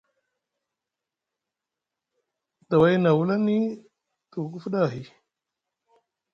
Daway na wulani tuku ku fuɗa ahi.